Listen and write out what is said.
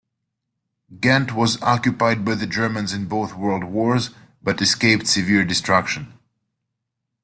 Ghent was occupied by the Germans in both World Wars but escaped severe destruction.